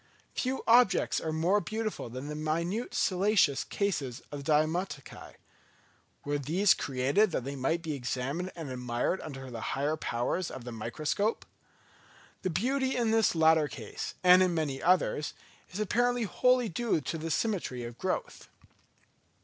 Few objects are more beautiful than the minute siliceous cases of the diatomaceæ: were these created that they might be examined and admired under the higher powers of the microscope? The beauty in this latter case, and in many others, is apparently wholly due to symmetry of growth.